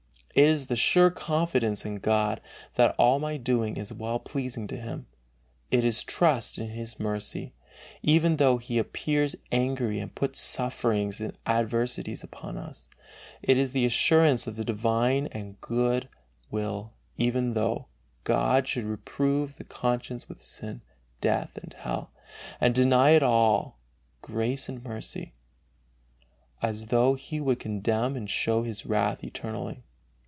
It is the sure confidence in God, that all my doing is wellpleasing to Him; it is trust in His mercy, even though He appears angry and puts sufferings and adversities upon us; it is the assurance of the divine good will even though "God should reprove the conscience with sin, death and hell, and deny it all grace and mercy, as though He would condemn and show His wrath eternally."